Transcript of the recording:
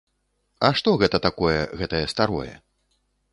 А што гэта такое гэтае старое?